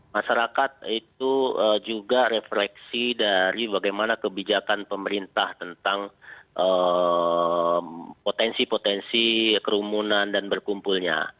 masyarakat itu juga refleksi dari bagaimana kebijakan pemerintah tentang potensi potensi kerumunan dan berkumpulnya